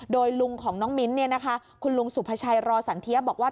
โดยลุงของน้องมิ้นคุณลุงสุภาชัยรอสันเทียบอกว่า